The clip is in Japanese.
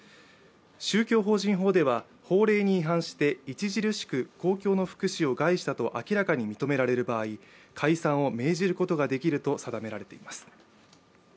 宗教法人法では法令に違反して著しく公共の福祉を害したと明らかに認められる場合、解散を命じることができると定められています。